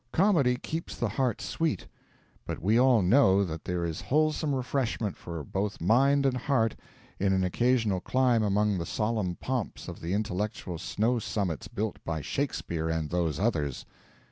Comedy keeps the heart sweet; but we all know that there is wholesome refreshment for both mind and heart in an occasional climb among the solemn pomps of the intellectual snow summits built by Shakespeare and those others.